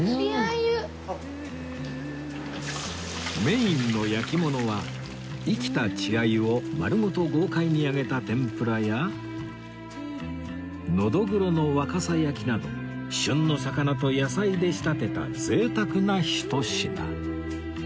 メインの焼き物は生きた稚鮎を丸ごと豪快に揚げた天ぷらやノドグロの若狭焼きなど旬の魚と野菜で仕立てた贅沢なひと品